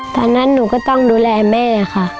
ตอนนั้นหนูก็ต้องดูแลแม่ค่ะ